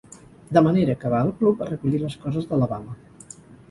De manera que va al club a recollir les coses d'Alabama.